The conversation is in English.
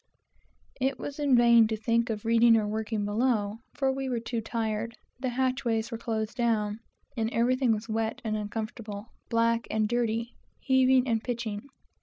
It was in vain to think of reading or working below, for we were too tired, the hatchways were closed down, and everything was wet and uncomfortable, black and dirty, heaving and pitching.